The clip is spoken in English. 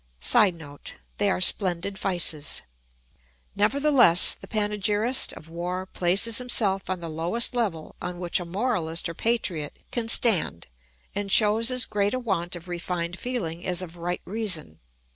[Sidenote: They are splendid vices.] Nevertheless the panegyrist of war places himself on the lowest level on which a moralist or patriot can stand and shows as great a want of refined feeling as of right reason.